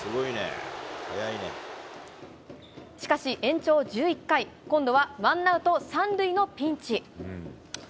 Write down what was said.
しかし、延長１１回、今度はワンアウト３塁のピンチ。